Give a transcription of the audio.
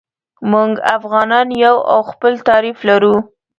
موږ افغانان یو او خپل تعریف لرو.